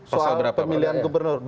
soal pemilihan gubernur